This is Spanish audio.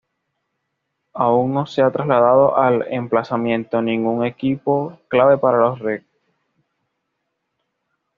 Aún no se ha trasladado al emplazamiento ningún equipo clave para los reactores.